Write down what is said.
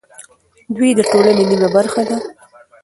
دوی د ټولنې نیمه برخه ده.